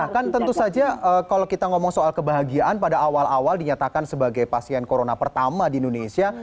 bahkan tentu saja kalau kita ngomong soal kebahagiaan pada awal awal dinyatakan sebagai pasien corona pertama di indonesia